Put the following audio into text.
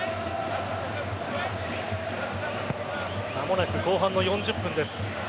間もなく後半の４０分です。